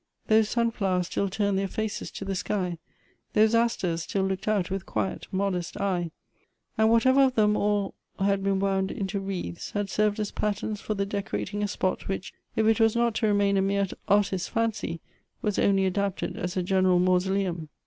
Those sunflowers still turned their faces to the sky ; those asters still looked out with quiet, modest eye ; and whatever of them all had been woun into wreaths had served as patterns for the decorating a spot which, if it was not to remain a mere artist's fancy, was only adapted as a general mau soleum.